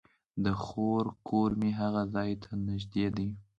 د خور کور مې هغې ځای ته نژدې دی